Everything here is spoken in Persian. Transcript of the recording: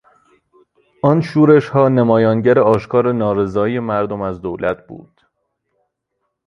آن شورش ها نمایانگر آشکار نارضایی مردم از دولت بود.